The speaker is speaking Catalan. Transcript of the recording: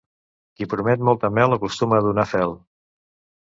Qui promet molta mel acostuma a donar fel.